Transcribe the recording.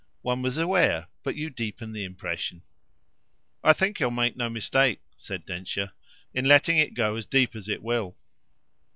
One was aware, but you deepen the impression." "I think you'll make no mistake," said Densher, "in letting it go as deep as it will."